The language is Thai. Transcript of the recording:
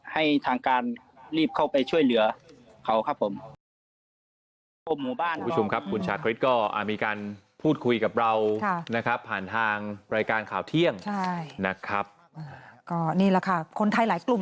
ให้ทางการรีบเข้าไปช่วยเหลือเขาครับผม